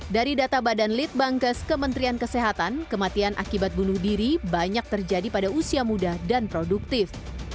dari data badan litbangkes kementerian kesehatan kematian akibat bunuh diri banyak terjadi pada usia muda dan produktif